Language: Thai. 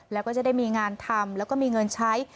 แล้วก็จะได้มีงานทำแล้วก็มีเงินใช้